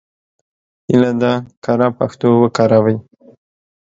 هیله ده کره پښتو وکاروئ.